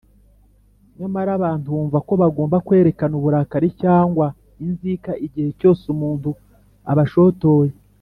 nyamara abantu bumva ko bagomba kwerekana uburakari cyangwa inzika igihe cyose umuntu abashotoye,